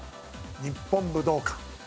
日本武道館。